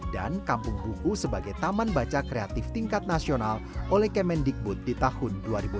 dan kampung buku sebagai taman baca kreatif tingkat nasional oleh kemendikbud di tahun dua ribu enam belas